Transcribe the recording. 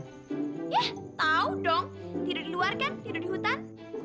ya tahu dong tidak di luar kan tidur di hutan